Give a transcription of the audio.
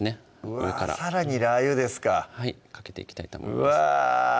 上からさらにラー油ですかかけていきたいと思いますうわ！